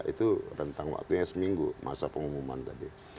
itu rentang waktunya seminggu masa pengumuman tadi